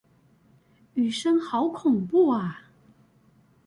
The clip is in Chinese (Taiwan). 雨聲好恐怖啊！